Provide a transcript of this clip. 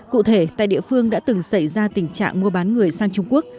cụ thể tại địa phương đã từng xảy ra tình trạng mua bán người sang trung quốc